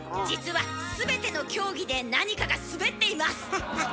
実は全ての競技でなにかが滑っています！